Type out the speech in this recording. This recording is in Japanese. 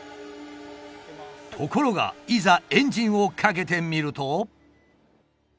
ところがいざエンジンをかけてみると。